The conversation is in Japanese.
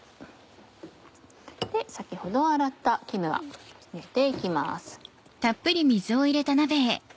先ほど洗ったキヌア入れて行きます。